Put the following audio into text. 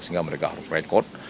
sehingga mereka harus rekod